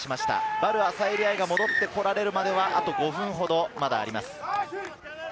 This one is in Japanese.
ヴァル・アサエリ愛が戻ってこられるまで、あと５分ほどあります。